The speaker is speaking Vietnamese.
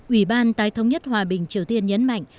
ủy ban tái thống nhất hòa bình triều tiên nhấn mạnh